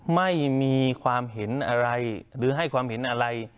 ไม่มีความเห็นอะไรหรือให้ความเห็นอะไร